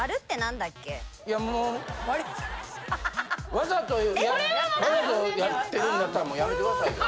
わざとやってるんだったらもうやめてくださいよ。